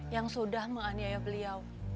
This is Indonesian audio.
yang sudah menganiaya beliau